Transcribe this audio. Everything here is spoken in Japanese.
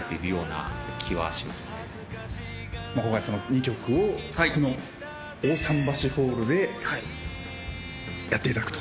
２曲をこの大さん橋ホールでやっていただくと。